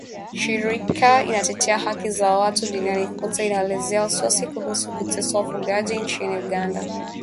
shirika inatetea haki za watu duniani kote inaelezea wasiwasi kuhusu kuteswa wafungwa nchini Uganda